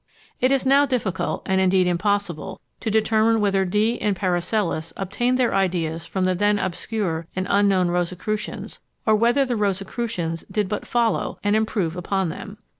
It is now difficult, and indeed impossible, to determine whether Dee and Paracelsus obtained their ideas from the then obscure and unknown Rosicrucians, or whether the Rosicrucians did but follow and improve upon them.